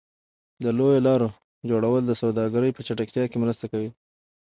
د لویو لارو جوړول د سوداګرۍ په چټکتیا کې مرسته کوي.